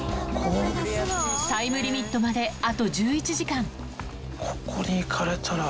タイムリミットまであと１１時間。